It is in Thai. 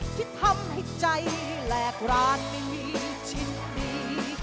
ที่ทำให้ใจแหลกร้านไม่มีชิ้นดี